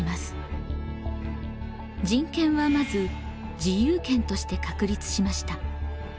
人権はまず自由権として確立しました。